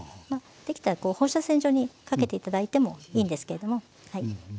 できたら放射線状にかけて頂いてもいいんですけれどもはい。